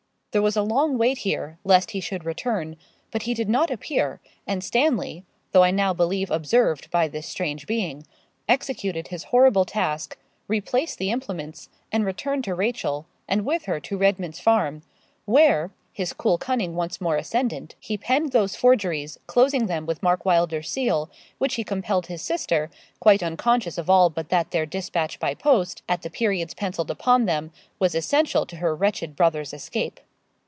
There was a long wait here, lest he should return; but he did not appear, and Stanley though I now believe observed by this strange being executed his horrible task, replaced the implements, and returned to Rachel, and with her to Redman's Farm; where his cool cunning once more ascendant he penned those forgeries, closing them with Mark Wylder's seal, which he compelled his sister quite unconscious of all but that their despatch by post, at the periods pencilled upon them, was essential to her wretched brother's escape.